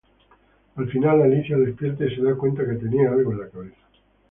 Al final, Alicia despierta y se da cuenta que tenía algo en la cabeza.